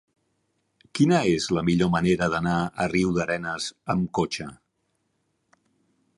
Quina és la millor manera d'anar a Riudarenes amb cotxe?